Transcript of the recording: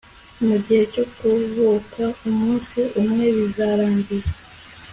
mugihe cyo kuvuka, umunsi umwe bizarangira